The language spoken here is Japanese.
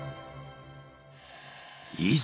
［いざ］